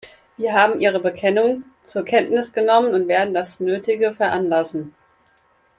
Wir haben Ihre Bemerkung zur Kenntnis genommen und werden das Nötige veranlassen.